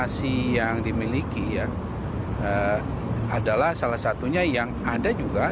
salah satu mutasi yang dimiliki adalah salah satunya yang ada juga